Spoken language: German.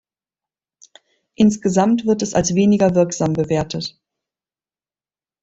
Insgesamt wird es als weniger wirksam bewertet.